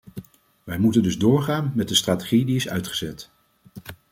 Wij moeten dus doorgaan met de strategie die is uitgezet.